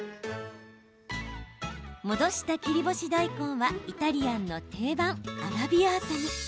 戻した切り干し大根はイタリアンの定番アラビアータに。